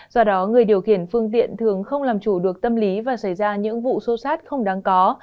do đó người điều khiển phương tiện thường không làm chủ được tâm lý và xảy ra những vụ xô xát không đáng có